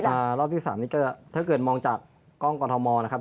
รอบที่๓นี้ก็ถ้าเกิดมองจากกล้องกรทมนะครับ